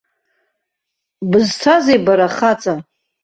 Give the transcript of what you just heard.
Бызцазеи бара хаҵа?